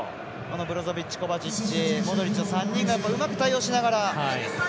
ブロゾビッチ、コバチッチモドリッチの３人がうまく対応しながら。